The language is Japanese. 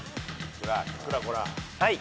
はい。